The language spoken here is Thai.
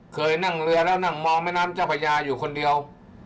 เคยนั่งเรือแล้วนั่งมองแม่น้ำเจ้าพญาอยู่คนเดียว